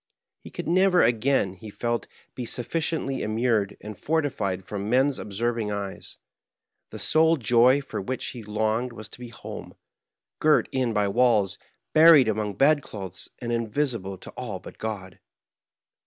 He could never again, he felt, be sufficiently immured and fortified from men's observing eyes ; the sole joy for which he longed was to be home, girt in by walls, buried among bedclothes, and invisible to all but God.